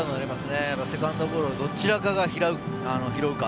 セカンドボールをどちらが拾うか。